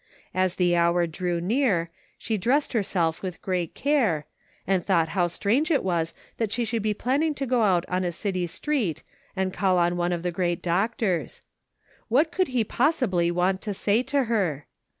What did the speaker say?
As the hour drew near, she dressed herself with great care, and thought how strange it was that she should be planning to go out on a city street and call on one of the great doctors. What could he possibly want to say to her